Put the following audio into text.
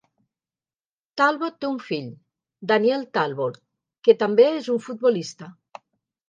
Talbot té un fill, Daniel Talbot, que també és un futbolista.